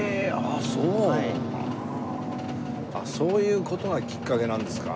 あっそういう事がきっかけなんですか。